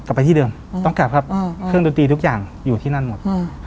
ไปที่เดิมต้องกลับครับเครื่องดนตรีทุกอย่างอยู่ที่นั่นหมด